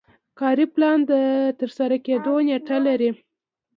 کاري پلان د ترسره کیدو نیټه لري.